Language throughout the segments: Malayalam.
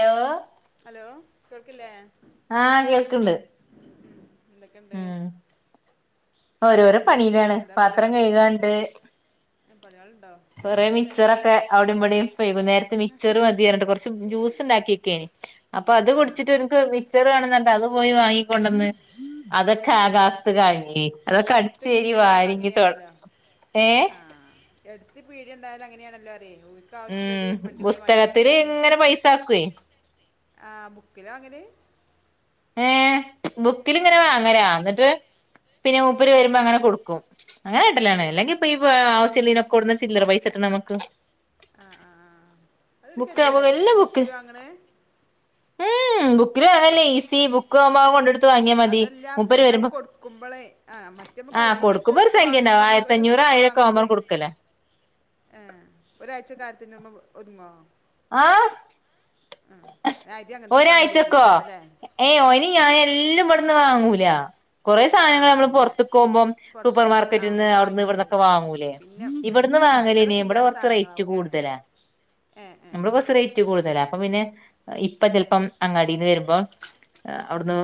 ലോ ഹലോ കേൾക്ക്ല്ലേ? ആഹ് കേൾക്ണ്ട് എന്തൊക്കെയുണ്ട് ഉം ഓരോരോ പണിലാണ് എന്താ പാത്രം പരിപാടി കഴുകാണ്ട്. ഏ, പണികളുണ്ടോ കൊറെ ഈ ടൈമിലും മിചറൊക്കെ അവിടെവിടെ വൈകുന്നേരത്തെ മിക്ചർ മതിയറഞ്ഞ്ട്ട് കുറച്ച് ജ്യൂസ് ഉണ്ടാ ക്യനി. അപ്പൊ അത് ആ കുടിച്ചിട്ട് എനിക്ക് മിക്ചർ വേണന്ന് പറഞ്ട്ട്അത് പോയി വാങ്ങിക്കൊണ്ടന്ന്. അതൊക്കെ ഏ ആകാത്ത് കള്ഞ്ഞ് അതൊക്കെ എടുത്ത് അടിചേരി പീടി ഉണ്ടായപ്പോൾ വാരി ഞ്ഞി തെട അങ്ങനെയാണല്ലോ ഏ ആ എടുത്ത് പീട്യണ്ടായാലും അങ്ങനെണല്ലോ അറ്യ ഉം പുസ്തകത്തില് ഇങ്ങനെ പൈസാക്കുവെ. ആഹ് ബുക്കിലാ വാങ്ങല്. ഏ ഏ ബുക്കിലിങ്ങനെ വാങ്ങലാ എന്നിട്ട് പിന്നെ മൂപ്പര് വരുമ്പോ അങ്ങനെ കൊടുക്കും ഏ അങ്ങനാട്ടലാണ് അല്ലെങ്കി ഇപ്പൊ ഈ ആവശ്യ കൊട് ന്നാ ചില്ലറപൈസട്ട്ണമക്ക്. ആഹ് ആ ആ അതൊരു കെതിയേടല്ലേ എല്ലാ ബുക്ക് ബുക്കില്‌ വാങ്ങ് ണെ. ക്കല്അല്ലേ. ഇസിബുക്ക് ആവുമ്പോ കൊണ്ടടുത്ത് വാങ്യ മതി അതല്ല മുപ്പര് പിന്നെ അത് വരുമ്പോ കൊടുക്കുമ്പോഴേ ആ മറ്റേ നമ്മൾ ആ കയ്യിൽ കൊടുക്ക പൈസ കുബ ഒരു എടുക്ക് സംഖ്യണ്ടവും. വാങ്ങുമ്പോൾ നമ്മൾ ആയിരത്ത അഞ്ഞൂറ് ആയിരൊക്കെ ആവുമ്പോ കൊട്ക്കല്. ആഏ ഒരാഴ്ച ആയിത്തിന് [unintelligible] ഒരുങ്ങോ? ആഹ് ആഹ് ഒരാഴ്ചക്കോ ഏയ് ഇനി ഞാൻ ഉം? എല്ലാം ഇവിടന്ന് വാങ്ങൂല. കുറെ ആ സാധനങ്ങളക്കെ അങ്ങനെ പൊർത്ത് ക്കോകുമ്പം സൂപ്പർ പുറത്ത് ആ മാർക്കറ്റിന്ന് അങ്ങനെ അവിടുന്ന് വാങ്ങിക്കല് ഇവിടന്നൊക്കെ വാങ്ങൂല്ലേ പിന്നെ ഉം, ഇവിടുന്ന് പിന്നെ അല്ലറ വാങ്ങലേനി ഇവിടെ ചില്ലറ കൊറച്ച് റേറ്റ് സാധനങ്ങളാവൂലേ കൂടുതലാ. ഏ ഏ നമ്മള് കൊറച് റേറ്റ് അത് കൂടുതലാ. ശരി അപ്പൊ പിന്നെ ഇപ്പ ഏ ചെൽപ്പം അങ്ങാടിന്ന് വരുമ്പോ അവിട്ന്ന്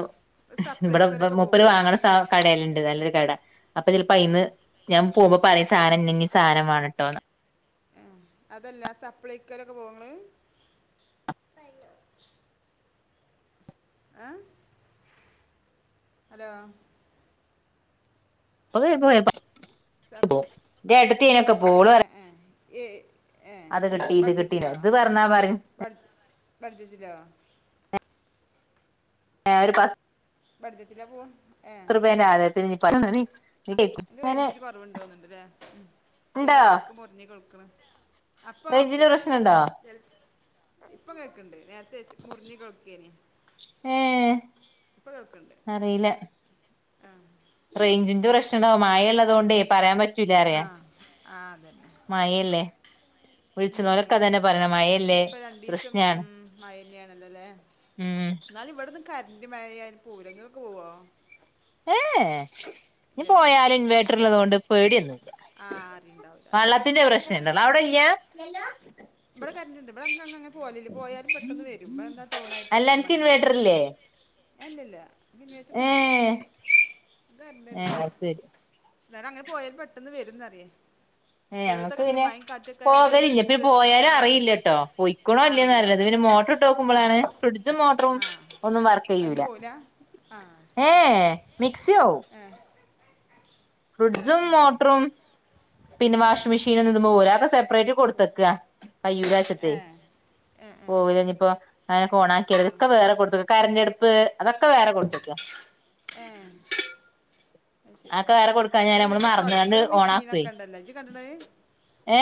ഇവിടെ സപ്ലൈക്കോലൊക്കെ മുപ്പര് പോകുമോ വാങ്ങണ സ കടെല്ണ്ട് നല്ലൊരു കട അപ്പോ ചെലപ്പോ ഏ അയിന്ന് ഞാൻ പോവുമ്പോ പ റെ സാനം ഇനിനെ സാനം മാണട്ടോന്ന്. ആ അതെല്ലാ സപ്ലൈക്കൊലക്കെ പോവോങ്ങള് സൈനോ അ ഹലോ? [unintelligible] എന്റെ സപ് എട്ടത്തി അയ്നൊക്കെ പോകും ഓള്റ എ അത് കിട്ടി ഇത് കിട്ടീന്ന് ഇത് പറഞ്ഞാ പറി ബഡ്ജ ബഡ്ജറ്റിലോ? അ ഒരു പ ബഡ്ജറ്റിലാ പോവ. ത്രപേന്റെ ആരത്തിന് ഇനി പ ത് കഴഞ്ട്ട് കുറവ്ണ്ടോന്നണ്ടല്ലേ ചെല ഇണ്ടോ വാക്ക് മുറിഞ് കൊടുക്കണ്. അപ്പ റേഞ്ചിന്റെ ഒക്കെയാണ്. പ്രശ്നണ്ടോ ഇപ്പൊ കേൾക്കണ്ട്. നേരത്തെ മുറിഞ്ഞി കേക്കേന്ന്. എ ഇപ്പൊ കേൾക്ണ്ട്. റേഞ്ചിന്റെ പ്രശ്നോ മായ ഉള്ളതുക കൊണ്ട് പറയാൻ പറ്റ ആ വിചാരയാ ആ അതന്നെ മായയല്ലേ ഉം വിളിച്ചോലൊക്കെ ഉം അതന്നെ പറയണ് മഴയല്ലേ ഇപ്പൊ രണ്ടു ദിവസം പ്രഷ്ണാണ് എന്നാല് ഇവിടെന്ന് കരന്റ് മഴയായാൽപോവൂലാ ഇങ്ങൾക്ക് പോവോ ഏ നി ഇല്ലല്ലേ പോയാലും ഇൻവേർട്ടർ ഉള്ളത് കൊണ്ട് പേടി ഒന്നും ഇല്ല ആ അറിയുണ്ടാവില്ല അത് വെള്ളത്തിന്റെ ശരിയാണ് അല്ല പ്രശ്നുണ്ടല അവിടെ ഇല്ലാ ഇവിടെ കരണ്ടുണ്ട് ഇവിടെ അങ്ങ് അങ്ങെ പോല പോയാലും പെട്ടെന്ന് വരും ഇടെ എന്താ ടൗൺ അല്ല ആയിട്ടേക്കാരം അനക്ക് വേണെങ്കിലേ ഇല്ല ഇല്ല ഏ എ ശരി ന്നാലും അങ്ങനെ പോയാൽ പെട്ടെന്ന് വരുന്നറിയാ ഞങ്ങക്ക് പിന്നെ പോകലില്ല ഒരു ഇപ്പിപ്പോ ദിവസം വരെ പോയാലും ഇല്ലാതൊക്കെ അറിയില്ലട്ടോ പൊയ്ക്ക്ണോ അറിയില്ല ഇല്ലേന്ന്ല്ലത് അതാ പിന്നെ മോട്ടർ ഇട്ട് ആ നോക്കുമ്പോഴാണ് ആ ഫ്രിജ്മോട്ടറും വർക്ക് അതിന് ചെയ്യുലാ പോവില്ല ആ ഏ ശരി മിക്സി ആവും ഏ ഏ ഫ്രിഡ്ജും ഏ മോട്ടറും പിന്നെ ഏ വാഷിംഗ് മെഷീനും ഇത്മേ പോവുല അത്ഒക്കെ സെപ്പ്റേറ്റ് പോ ഇതിൽകൊടുത്തക്ക കയ്യൂലാച്ചിട്ടേ ഏ ഏ ഏ പോവുലനിപ്പോ അങ്ങനെ ഓണാക്കി ഇതൊക്കെ വേറെ കൊടുത്ത്ക്കാ കരന്റ്അടുപ്പ് അതൊക്കെ വേറെ കൊടുത്ക്കാ ഏ അത്ശരി അതൊക്കെ വേറെ കൊടുക്കാഞ്ഞാല് അതല്ല നമ്മള് ഇപ്പൊ മറന്നാണ്ട് ഓണാക്കുവേ തൊടക്ണമെഷീനൊക്കെ ഇണ്ടല്ലോഇജ്കണ്ട് ക്ണോ ഏ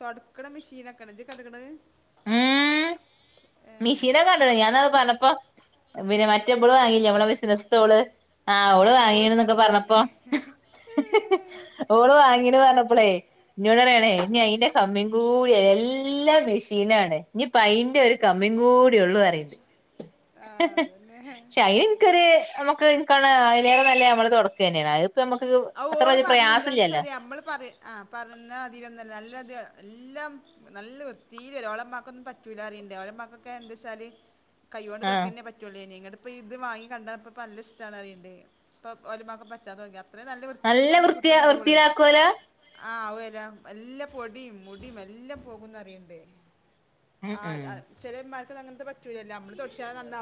തൊടക്ണ മെഷീൻ ഒക്കെ ഇണ്ട് ജ്ജ് ക്കണ്ട് ക്ണോ അത് മിഷീനൊക്ക കണ്ട് ക്ണ് ഞാനത് പറഞ്ഞപ്പോ പിന്നെ മറ്റെ ഇബള് വാങ്ങി ഇല്ലേ നമ്മളെ ബിസിനസ് തോള് ആഹ് ഓള് ആ ഓളുണ്ട് വാങ്ങീണ്ന്നൊക്കെ അതിനെ പറഞ്ഞപ്പോ പറഞ്ഞേ ഓള് വാങ്ങീ പറഞ്ഞ ഇപ്പളേ ഇന്നോട്റിയാണേ ഏ ഇനി അയിന്റെ കമ്മീം കൂടിയാ എല്ലാം മെഷീനാണ് ഇ അയിന്റെ ഒരു കമ്മി കൂടി ഉള്ളു പറയ്ന്ന് ആ, അതന്നെ ശയിൻക്കര് നമുക്ക് ഇന്‌ ക്ക് അതിനേരം നല്ല നമ്മള് തുടക്കുക തന്നെയാണ് അത് ഓള് പറഞ്ഞു എന്താന്ന് വെച്ചാല് നമ്മള് പറയ ആ പറഞ്ഞ അതിലൊന്നല്ല നല്ല അതെ എല്ലാം നല്ല വൃത്തിയില് വരും ഓളമാക്കൊന്നും പറ്റൂലാറിയണ്ടേ ഓളമാക്കൊക്കെ എന്താ വച്ചാല് കൈകൊണ്ട് ആഹ് തൊടക്കന്നെപറ്റൂള്ള് നി ങ്ങട് അപ്പൊ ഇത് വാങ്ങി കണ്ടപ്പ പ്പല്ല് ഇഷ്ടമാണ് അറിയണ്ട് ഇപ്പൊ ഓലിമാക്ക് പറ്റാൻ തൊടങ്ങി അത്രയും നല്ല വൃത്തില് നമുക്ക് വൃത്തിയ കിട്ടും എന്നറിയോള് വൃത്തിയിലാക്കുവല്ലോ ആ വരും എല്ലാം പൊടിയും മുടിയും എല്ലാം പോകുംന്നറിയണ്ടേ ഉം ഉം ആഹ് ചിലന്മാർക്ക് അങ്ങനത്തെ പറ്റൂലല്ലേ നമ്മള് തൊട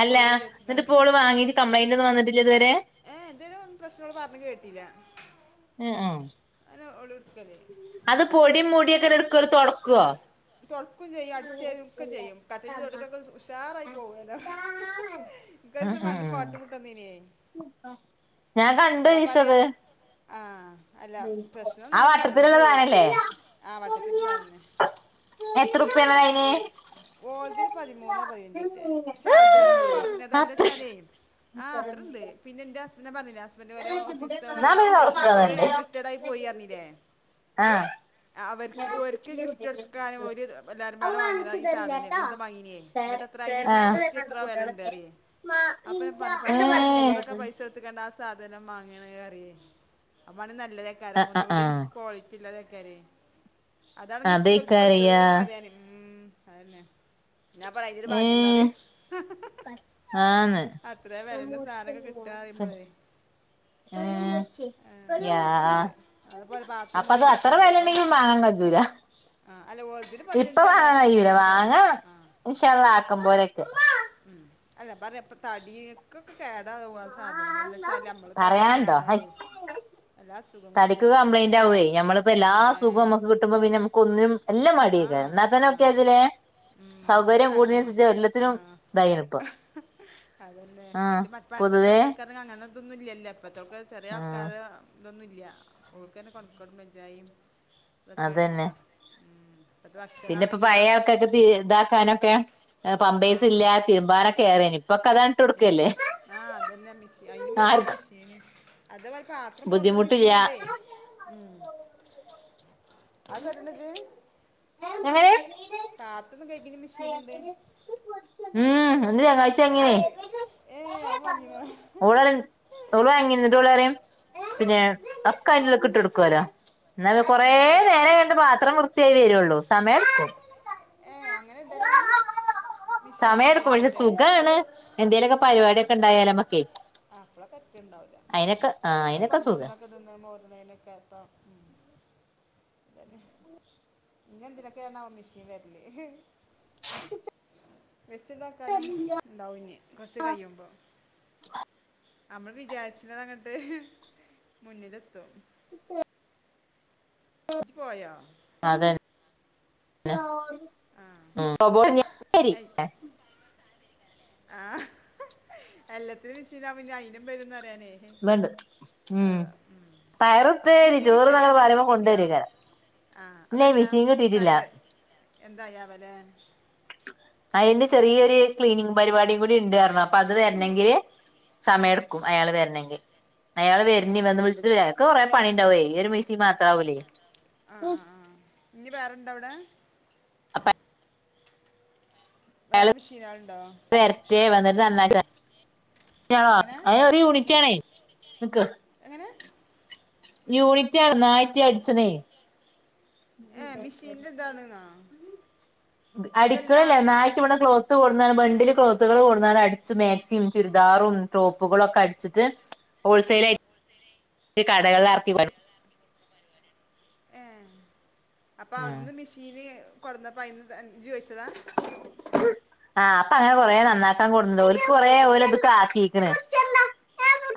അല്ല എന്നിട്ട്ഇപ്പോള് വാങ്ങീട്ട് കംപ്ലൈന്റ് ഒന്നും വന്നിട്ടില്ലേ ഇതുവരെ ഏ ഇതുവരെ പ്രശ്നങ്ങൾ ഓള് പറഞ്ഞ് കേട്ടിട്ടില്ല ങ് ആഹ് [unintelligible] അത് പൊടിയും മുടീം ഒക്കെ എടുക്കുവോ തൊടക്കുവോ തൊടക്കും ചെയ്യും അടിചെരേം ഒക്കെ ചെയ്യും കട്ടിറ്റച്ചൊടുക്കൊക്കെ ഉഷാറായി പോവലോ ഇക് ഉം ഒരിസം ഉം പണ്ട് ഉം ഫോട്ടോ വിട്ടന്നീനേ ഞാൻ കണ്ടു ഒരിസം ഇത് ആഹ് ആ വട്ടത്തിലുള്ള സാധനല്ലേ ആ വട്ടത്തിൽ സാധനം തന്നെ എത്രുപ്പിയാണ് അതിന് ഓതിൽ പതിമൂന്നാ പതിനഞ്ചന്റെ പക്ഷെ അത് കുറഞ്ഞ അത്ര തെന്താച്ചാലെ ആഹ് അത്രണ്ട് പിന്നെ എന്റെ അസ്നെ പറഞ്ഞില്ലെ ഹസ്ബന്റ് ഓരോ ഓഫീസ്തേ എന്നാ ഓരോ പിന്നെ തൊടക്കാ ഓഫീസർ നല്ലത് റിട്ടേഡ് ആയി പോയീന്നു പറഞ്ഞീലെ ആഹ് അവർക്ക് ഓർക് ഗിഫ്റ്റ് കൊടുക്കാൻ ഓര് എല്ലാവരുംപാട വാങ്ങിയതാ സാധന ഇങ്ങട്ട മനേ [unintelligible] ഇങ്ങട്ട എത്രാ അനി മുപ്പത്തി എത്രാ വിലാണ്ടാറിയെ അപ്പൊ ഞാ പറഞ്ഞു പടച്ചോനെ, ഇത്രൊക്കെ പൈസ എടുത്ത്ക്കണ്ടാ സാധനം വാങ്ങണ് അറിയേ അപ്പാണ് ആ നല്ലതേക്കാരം ആ ഒന്നുകൂടി ആ ക്വാളിറ്റില്ലാത അതാണ് ഗിഫ്റ്റ് ഓല്ക് അതേക്കാറിയാ കൊടുത്തതന് പറയാണ് മ്മ് അതന്നെ. ഞാൻ പറയന്റെ ഏ ഭാഗ്യന്നറിയോ. ആന്ന് അത്രയും വിലന്റെ സാധനമൊക്കെ കിട്ടാ മ്മഴ [inaudible] [unintelligible] [unintelligible] അതുണ്ട് അതുപോലെ പാത്രം അപ്പ അത് പോലെ അത്ര വെല ഉണ്ടെങ്കിൽ മാങ്ങാകജൂല. ആഹ്, അല്ല ഒല്തേന് പതിനഞ്ചാണ് അത് പറഞ്ഞെ വാങ്ങ ഉഷാള്ളആക്കം പോലൊക്കെ. ഉം. അല്ല പറയാപ്പ തടിയക്ക് കേടാവു ആ സാധനം എന്താ വച്ചാല് നമ്മള് തടി പറയാണ്ടോ ഹൈ അങ്ങാഞ്ഞാലേ തടിക്ക് കംപ്ലയിന്റ് ആവെ. നമ്മളിപ്പോ എല്ലാ ഏ, സുഖം മക്ക് കിട്ടുമ്പോ പിന്നെ നമുക്ക് ഒന്നിനും എല്ലാം ആ മടിയ കരണ എന്ന അങ്ങനെ ആ നോക്കിയതിലെ ഉം. വെച്ച് സൗകര്യം ഇതാക്കാൻ തന്നെ ഉമ്മ. കൂടുന്നതനുസരിച്ച് ആ എല്ലാത്തിനും ഇതായിണ്ണിപ്പം. അതന്നെ. മറ്റേ പണ്ടത്തെ ആൾക്കാർക്കങ്ങനെ ഇതൊന്നുംല്ലല്ലോ ഇപ്പത്തേക്കെ ചെറിയ ആഹ് ആൾക്കാര് ഇതൊന്നുല്ല്യ ഓർക്കന്നെ [unintelligible] ഇതൊക്കെയണല്ലോ. പിന്നെപ്പം പഴയയാൾക്കൊക്ക ഇതാക്കാനൊക്കെ ആ പാമ്പേഴ്സില്ല തിരുമ്പാനൊക്കെ അറിയാഞ്ഞു ഇപ്പൊക്കെ അത് ഇട്ടുകൊടുക്കല്ലേ. ആഹ് അതന്നെ മിഷി‌ന് അതിനു വന്നില്ലേ മെഷീന്. അത പോലെ പാത്രമോർണ്നും ബുദ്ധിമുട്ടില്ല മിഷീന്ണ്ടെ. മ്മ്. അത് [unintelligible] മെഷീൻ ഉണ്ട് മ്മ്. ന്റെ ചെങ്ങായിച്ചി അങിനി വാങ്ങിനാ [unintelligible] ഓൾ വാങ്ങിണ് [unintelligible] പിന്നെ ഒക്കെ അയിന്റെ ഉള്ക് ഇട്ടോടുകേലോ. എന്ന ഏ കൊറ നേരം കഴിഞ്ഞിട്ട് പാത്രം വൃത്തിയായി വരുള്ളൂ. സമയടുക്കും. ഏ അങ്ങനെ ഇടലാണ്. സമയ മെഷീനിക്ക് എടുക്കും പക്ഷെ ഇടലാവൂലേ സുഖാണ് എന്തേലുക്കെ പരിപാടിയൊക്കെ ഇണ്ടായാലമ്മക്ക്. ആപ്പളെക്കെ തെർക്കാണ്ടാവില്ല. മ്മ് അല്ലാതെപ്പം അയിനൊക്കെ നമ്മൾ സുഖാ ഒന്നൊക്കെ തിന്ന് മോറുണെന് [unintelligible] ഇനി എന്തിനെക്കെയാണ് മെഷീൻ വരു [unintelligible] [unintelligible] വെച്ച് ഇട്ടാക്കാനും ഉണ്ടാവും ഇനി കൊറച്ച് കഴിയുമ്പോ നമ്മൾ വിചാരിച്ചതങ്ങട്ട് മുന്നിലെത്തും. [unintelligible] ഇജ് പോയാ? [unintelligible] ആഹ് എല്ലാത്തിനും മിഷീൻ ആവുമ്പോ ഇനി അയിനും വരുന്ന് പറയന്. വേണ്ട ഉം, പയറുപ്പേരി, ചോറ് ന്നങ്ങട് പറയുമ്പ കൊണ്ടൊരിക. ആഹ, അതല്ല ടൈല് എന്തായവെലെ? അയിന്റെ ചെറിയൊരു ക്ലീനിങ് പരിപാടിയും കൂടി ഉണ്ട്റഞ്ഞു അപ്പൊ അത് വരണെങ്കില് ഏ സമയമെടുക്കും. അയാൾ വരണങ്കിൽ. അയാള് ഏ ഏ ഏ. [unintelligible] പണി ഉണ്ടാവേ. ഒരു മേസ്തിരി മാത്രാവൂല്ലേ. ആഹ ആഹ ആഹ ഇനി വേറെന്താവിടെ? [unintelligible] വേറെ അയാള് മെഷീനുണ്ടോ വരട്ടെ. വന്നിട്ട് നന്നാക്ക എങ്ങനെ ഒര് ഉം? യൂണിറ്റാണേ. നിക്ക് എങ്ങനെ യൂണിറ്റാണ് ഒന്നായിറ്റ് അടിച്ചണേയ് ഏ മെഷീൻ്റെ ഇതാണെന്നോ അതല്ല അടിക്കണില്ല. [unintelligible] ക്ളോത്ത് കൊ ബണ്ടില് ക്ലോത്തുകള് കൊട്ന്നാണ്ട് അടിച്ച് മേക്സിം ചുരിദാറും ടോപ്പുകളൊക്കെ അടിച്ച്ട്ട് ആ ഹോൾസെയ്ലായ്റ്റ് കടകളിലാർക്കി അപ്പ ഉം ഔട്ന്ന് മിഷീന് കൊട്ന്നപ്പോ അയ്ന്ന് ജ്ജ്‌ വെച്ചതാ ആഹ് അപ്പ അങ്ങനെ കൊറേ നന്നാക്കാൻ കൊടുന്നുണ്ട് ഓൽക്ക് കൊറേ ഓലത്ക്കാക്കീക്ക്ണ്.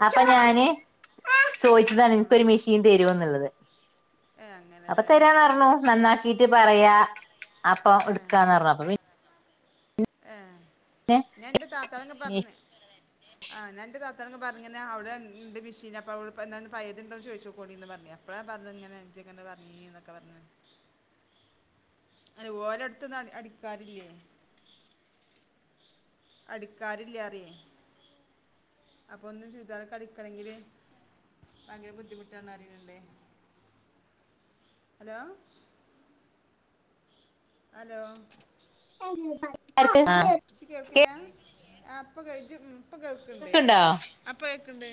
അപ്പ ആ ഞാന് ചോയ്ച്ചതാണ് ഇൻക്കൊര് മിഷീൻ തരോന്ന്ള്ളത് [unintelligible] അപ്പ തരാന്ന് പർഞ്ഞു. നന്നാക്കീറ്റ് പറയാ അപ്പൊ ഇട്ക്കാന്ന് പറഞ്ഞു അപ്പ പിന്നെ ആഹ് ഞാന്റെ താത്താനൊക്കെ പർഞ്ഞ് ആഹ് ഞാന്റെ താത്താനൊക്കെ പർഞ്ഞ് അവടെണ്ട് മിഷീന് അപ്പ പയേത്ണ്ടോ ചോയ്ച്ചോക്കോണ്ടീന്ന് പർഞ്ഞ് അപ്പളാ പർഞ്ഞേ ജ്ജ്‌ങ്ങനെ പർഞ്ഞീന്നൊക്കെ പർഞ്ഞേ ഓലെട്തൊന്നും അടിക്കാരില്ലേ അടിക്കാരില്ലാറയേ അപ്പൊ ഒന്ന് ചുരിദാറൊക്കെ അടിക്കണെങ്കില് ഭയങ്കര ബുദ്ധിമുട്ടാണ് അറീണ് ണ്ട് ഹലോ ഹലോ [inaudible] ഇജ്ജ്‌ കേൾക്കില്ല ആഹ് പ്പ അപ്പൊ ഇപ്പൊ കേൾക്കണ്ട് അപ്പ ക്ക്ണ്ട്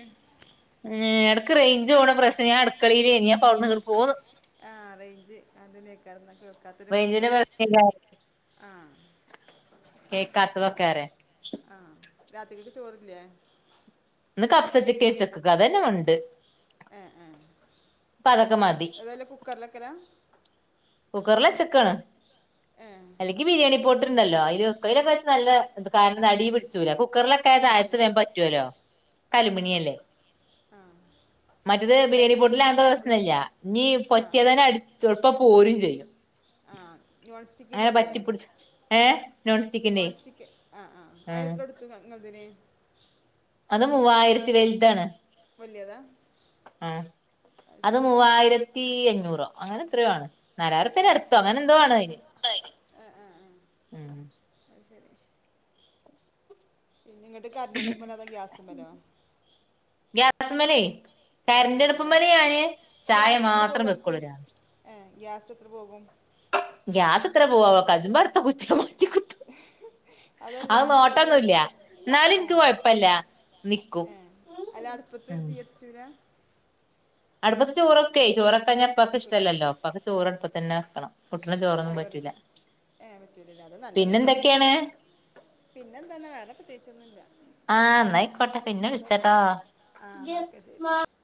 ഏ എടക്ക് റേയ്ഞ്ച് പോണ പ്രശ്നനേനു ഞാൻ അടുക്കളീലേയ്ന്നു ഞാനവ്ട്ന്ന്ങ്ങട് പോന്നു ആഹ് റേയ്ഞ്ച് അതെന്നേക്കാരം കേൾക്കാത്തൊര് മട്ട് റേഞ്ചിന്റെ ആഹ് കേക്ക്ത്തതൊക്കേറയാ ആ രാത്രിക്ക് ചോറില്ലേ ന്ന് കഫ്സച്ച് കേച്ചക്കക്ക് അതെന്നെ ഉണ്ട് ആഹ് ആഹ് അപ്പൊ അതൊക്കെ മതി ഏതാല കുക്കറിലെക്കലാ കുക്കറിലെച്ച്ക്കാണ് ഏ അല്ലെങ്കി ബിര്യാണി പോട്ട്ണ്ടല്ലോ ഐൽ വെ ഐലൊക്കെ വെച്ചാ നല്ല കാരണം അടീ പിട്ച്ചൂല കു കുക്കറിലക്കെ പിടിച്ചു തായത്ത് വേം പറ്റോലോ ഒക്ക അലുമിനിയം ല്ലേ ആഹ് മറ്റത് ബിര്യാണി പൊട്ടില് ആകുമ്പോ പ്രശ്നല്ല ഞ്ഞി ആ പറ്റ്യാതന്നെ അടി എള്പ്പം പോരും ചെയ്യും ആഹ് നോൺ അങ്ങനെ സ്റ്റിക്കിന്റെല്ലേ പറ്റിപ്പിടിച്ച് ഏഹ് സ്റ്റിക്കിന്റെ നോൺ സ്റ്റിക്ക് ആഹ് ആഹ് ഉം ഐനെത്ര കൊട്ത്തു ങ്ങളെദിന് അത് മൂവായിരത്തി വെൽതാണ് വലിയതാ ആഹ് അത് മൂവായിരത്തി അഞ്ഞൂറോ അങ്ങനെ എത്രയോ ആണ് നാലായിരുർപ്പ്യന്റെ അട്തോ അങ്ങനെന്തോ ആണ് ഐന് ആ ആ ആ മ് അത് ശരി പിന്നെ ഇങ്ങോട്ട് കറണ്ട് അടുപ്പമല്ലോ അതോ ഗ്യാസ് മലോ ഗ്യാസ്മേലെ ഗ്യാസ് മലല്ലേ കരന്റട്പ്പ്മ്മല് ഞാന് ചായ മാത്രം വെക്കൊള്ളു [unintelligible] ഗ്യാസെത്ര പോകും ഗ്യാസെത്ര പോകാവോ കജ്ജുമ്പോ അട്ത്ത കുറ്റി [unintelligible] അതല്ല അത് ഒരു നോട്ടൊന്നുല്ല ന്നാലും ഏ ഇൻക്ക് കൊയപ്പല്ല നിക്കും ഏ അല്ല അടുപ്പത്ത് മ് തീ കത്തിച്ചൂല അട്പ്പത്ത് ചോറെക്കൊയ് ചോറെക്കാഞ്ഞാ പ്പാക്ക് വെക്കൂലേ ഇഷ്ട്ടല്ലല്ലോ പ്പാക്ക് ചോറ് അട്പ്പന്നെ വെക്കണം. കുട്ടീണ് ഏ ചോറൊന്നും വെറു പറ്റില്ല ഏ പിന്നെന്തൊക്കെയാണ് പിന്നെ എന്തന്നാണ് വേറെ പ്രത്യേകിച്ചൊന്നും ഇല്ല ആ എന്നായിക്കോട്ടെ പിന്നെ വിളിച്ചാട്ടോ ആ എന്നാൽ ഓക്കെ ശരി